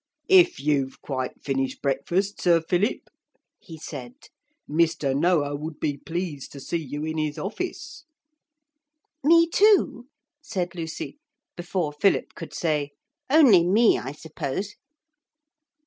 'If you've quite finished breakfast, Sir Philip,' he said, 'Mr. Noah would be pleased to see you in his office.' 'Me too?' said Lucy, before Philip could say, 'Only me, I suppose?'